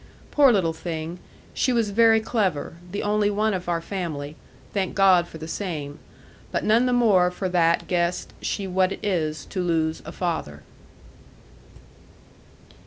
Poor little thing! she was very clever, the only one of our family thank God for the same but none the more for that guessed she what it is to lose a father.